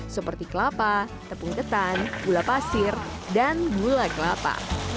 seperti kelapa tepung ketan gula pasir dan gula kelapa